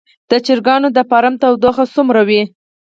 د چرګانو د فارم تودوخه څومره وي؟